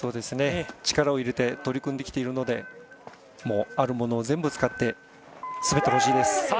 力を入れて取り組んできているのでもう、あるものを全部使って滑ってほしいです。